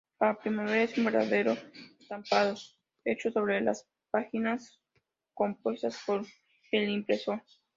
La primera es un verdadero estampado hecho sobre las páginas compuestas por el impresor.